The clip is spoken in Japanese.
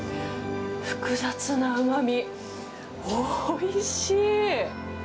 複雑なうまみ、おいしい。